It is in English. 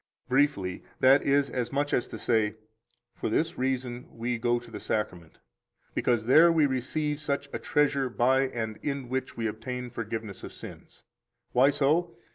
22 Briefly that is as much as to say: For this reason we go to the Sacrament because there we receive such a treasure by and in which we obtain forgiveness of sins. Why so?